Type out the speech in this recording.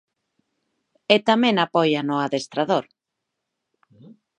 E tamén apoian o adestrador...